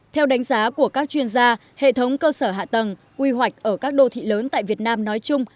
theo đánh giá của các chuyên gia hệ thống cơ sở hạ tầng quy hoạch ở các đô thị lớn tại việt nam nói chung